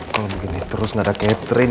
kalo gini terus gak ada catherine